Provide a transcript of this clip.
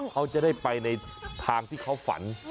เขาจะได้ไปในทางที่เขาฝัน